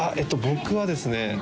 僕はですね